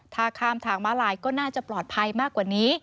ถ้าข้ามทางม้าลายก็น่าจะปลอดภัยมากกว่านี้